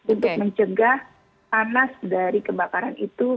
untuk mencegah panas dari kebakaran itu